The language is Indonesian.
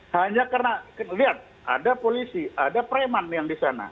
hanya karena lihat ada polisi ada preman yang di sana